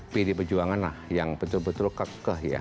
pdi perjuangan lah yang betul betul kekeh ya